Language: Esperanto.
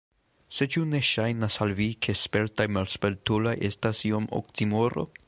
Sed ĉu ne ŝajnas al vi, ke spertaj malspertuloj estas iom oksimoro?